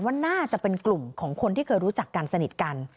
ว่าน่าจะเป็นกลุ่มของคนที่เคยรู้จักกันสนิทกัน